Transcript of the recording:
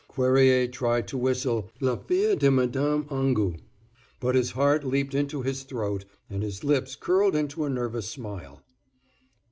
Cuerrier tried to whistle "La Fille de Madame Angot," but his heart leaped into his throat, and his lips curled into a nervous smile.